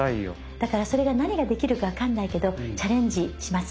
だからそれが何ができるか分かんないけどチャレンジします。